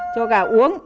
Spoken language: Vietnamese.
cho gà uống